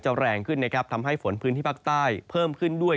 แรงขึ้นนะครับทำให้ฝนพื้นที่ภาคใต้เพิ่มขึ้นด้วย